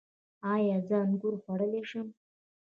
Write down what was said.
ایا زه انګور خوړلی شم؟